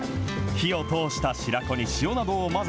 火を通した白子に塩などを混ぜ、